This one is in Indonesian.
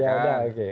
ya sudah oke